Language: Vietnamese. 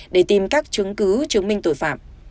để tìm các chứng cứ chứng minh tội phạm